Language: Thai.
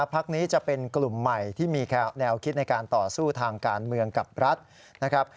พักนี้จะเป็นกลุ่มใหม่ที่มีแนวคิดในการต่อสู้ทางการเมืองกับรัฐนะครับ